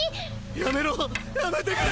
やめろやめてくれ！